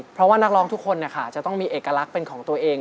เพราะว่านักร้องทุกคนจะต้องมีเอกลักษณ์เป็นของตัวเอง